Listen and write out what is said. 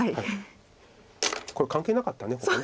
これ関係なかったここ。